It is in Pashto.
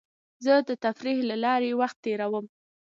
زه د تفریح له لارې وخت تېرووم.